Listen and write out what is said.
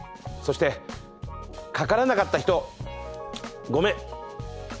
そしてかからなかった人ごめん。